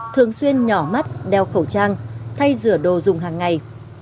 thường xuyên nhỏ mắt đeo khẩu trang thay rửa đồ dùng hàng ngày